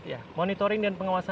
ya monitoring dan pengawasan